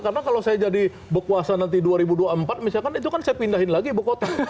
karena kalau saya jadi bekuasa nanti dua ribu dua puluh empat misalkan itu kan saya pindahin lagi ke kota